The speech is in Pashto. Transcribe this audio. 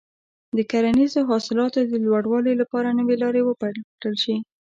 د کرنیزو حاصلاتو د لوړوالي لپاره نوې لارې وپلټل شي.